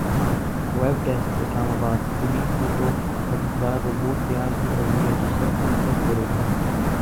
web desk Islamabad police نے تو مددگار روبوٹ تیار بھی کرلیا جو سب کی مدد کرے گا